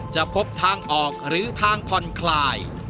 จะพบทางออกหรือทางผ่อนคลาย